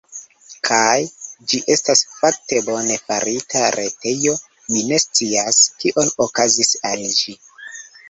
Kaj... ĝi estas fakte bone farita retejo, mi ne scias, kio okazis al ĝi.